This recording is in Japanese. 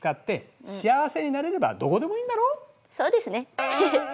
そうですね！へへ。